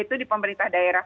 yaitu di pemerintah daerah